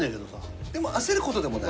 でも焦ることでもない？